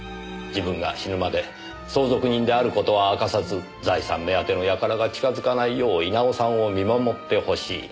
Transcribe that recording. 自分が死ぬまで相続人である事は明かさず財産目当てのやからが近づかないよう稲尾さんを見守ってほしい。